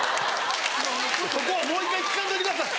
そこはもう一回聞かんといてください。